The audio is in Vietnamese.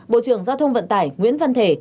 bộ trưởng giao thông vận tải nguyễn văn thể